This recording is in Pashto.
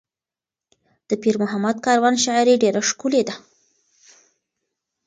د پیر محمد کاروان شاعري ډېره ښکلې ده.